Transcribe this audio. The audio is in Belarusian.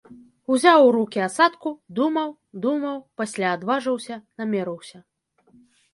Узяў у рукі асадку, думаў, думаў, пасля адважыўся, намерыўся.